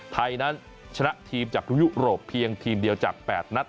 ไทยนั้นชนะทีมจากยุโรปเพียงทีมเดียวจาก๘นัด